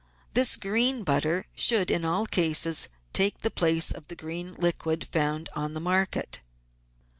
This green butter should in all cases take the place of the liquid green found on the market.